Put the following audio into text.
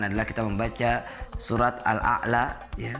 adalah kita membaca surat al a'la